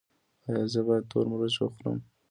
ایا زه باید تور مرچ وخورم؟